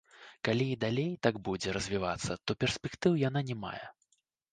Калі і далей так будзе развівацца, то перспектыў яна не мае.